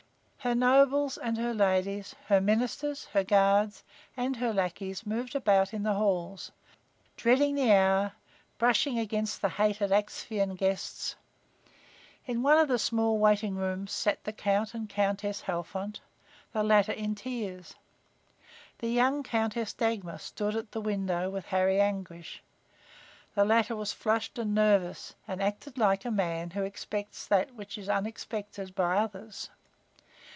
Her nobles and her ladies, her ministers, her guards and her lackeys moved about in the halls, dreading the hour, brushing against the hated Axphain guests. In one of the small waiting rooms sat the Count and Countess Halfont, the latter in tears. The young Countess Dagmar stood at a window with Harry Anguish. The latter was flushed and nervous and acted like a man who expects that which is unexpected by others.